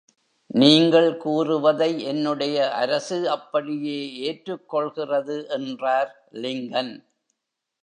நீங்கள் கூறுவதை என்னுடைய அரசு அப்படியே ஏற்றுக் கொள்கிறது என்றார் லிங்கன்.